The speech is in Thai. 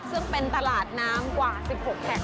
ซึ่งเป็นตลาดน้ำกว่า๑๖แห่ง